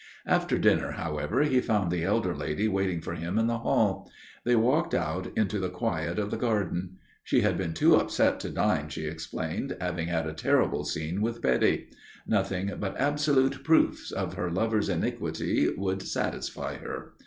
After dinner, however, he found the elder lady waiting for him in the hall. They walked out into the quiet of the garden. She had been too upset to dine, she explained, having had a terrible scene with Betty. Nothing but absolute proofs of her lover's iniquity would satisfy her.